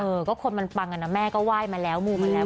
เออก็คนมันปังอ่ะนะแม่ก็ไหว้มาแล้วมูมาแล้ว